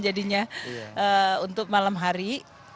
jadinya untuk malam hari